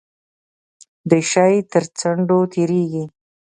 د شی تر څنډو تیریږي.